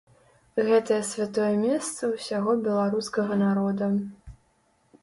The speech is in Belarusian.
Гэтае святое месца ўсяго беларускага народа.